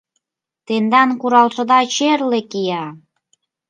«Тендан куралшыда черле кия!»